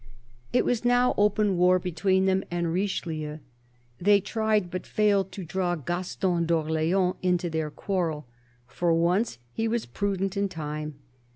It was now open war between them and Richelieu. They tried, but failed, to draw Gaston d'Orleans into their quarrel ; for once he was prudent in time.